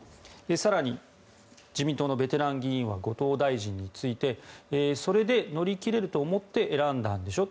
更に、自民党のベテラン議員は後藤大臣についてそれで乗り切れると思って選んだんでしょ